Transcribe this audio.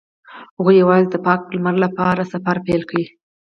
هغوی یوځای د پاک لمر له لارې سفر پیل کړ.